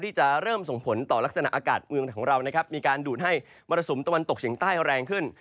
ที่จะเริ่มส่งผลต่อลักษณะอากาศเมืองของเรานะครับมีการดูดให้มรสุมตะวันตกเฉียงใต้แรงขึ้น